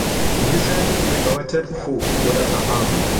Yücel bedeutet „hoch“ oder „erhaben“.